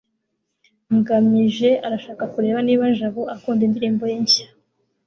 ngamije arashaka kureba niba jabo akunda indirimbo ye nshya